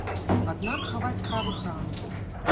Аднак хаваць правых рана.